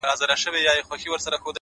o ته به په فکر وې. چي څنگه خرابيږي ژوند.